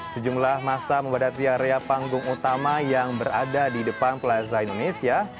sejumlah masa membadati area panggung utama yang berada di depan plaza indonesia